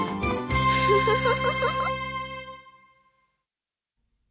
フフフフ。